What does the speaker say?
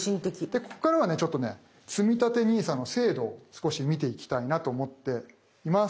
でここからはちょっとねつみたてＮＩＳＡの制度を少し見ていきたいなと思っています。